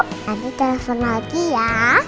nanti telfon lagi ya